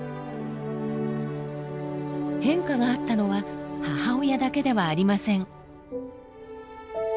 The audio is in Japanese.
変化があったのは母親だけではありません。